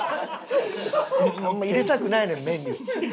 あんま入れたくないねん目に。